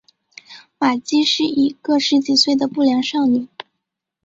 玛姬是一个十几岁的不良少女。